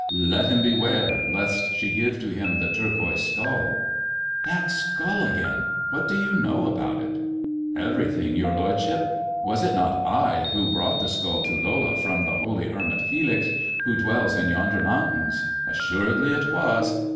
Let ] beware, lest she give to him the turquoise skulL" " That skull again ! What do you know about it 1 "" Everything, your lordship. Was it not I who broi^ the skull to Lola from the holy hermit Felix, who^ dwell yonder mountains ? Assuredly it was.